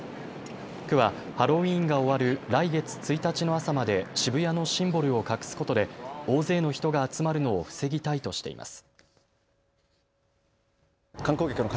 区はハロウィーンが終わる来月１日の朝まで渋谷のシンボルを隠すことで大勢の人が集まるのを防ぎたいとしています。